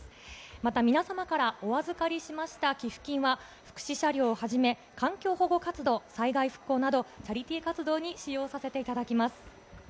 また、皆様からお預かりしました寄付金は、福祉車両をはじめ、環境保護活動、災害復興など、チャリティー活動に使用させていただきます。